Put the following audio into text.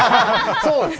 そうですね。